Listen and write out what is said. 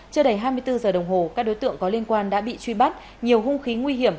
chưa đầy hai mươi bốn giờ đồng hồ các đối tượng có liên quan đã bị truy bắt nhiều hung khí nguy hiểm